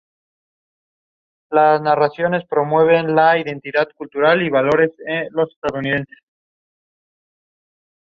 Fallece en Dorpat.